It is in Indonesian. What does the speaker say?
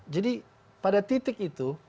jadi pada titik itu